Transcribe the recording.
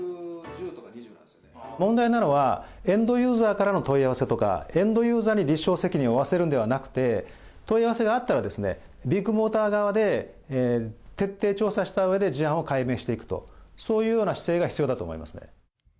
問題なのは、エンドユーザーからの問い合わせとか、エンドユーザーに実証責任を負わせるんじゃなくて、問い合わせがあったら、ビッグモーター側で、徹底調査したうえで事案を解明していくと、そういうような姿勢が必要だと思いますね。